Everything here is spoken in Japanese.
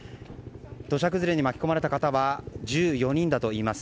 土砂崩れに巻き込まれた方は１４人だといいます。